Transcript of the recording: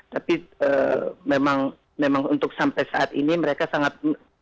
tapi memang untuk sampai saat ini mereka sangat